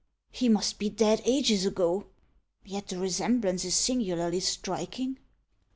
he must be dead ages ago! Yet the resemblance is singularly striking!"